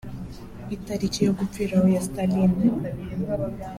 itariki yo gupfiraho ya Staline